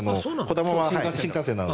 こだまは新幹線なので。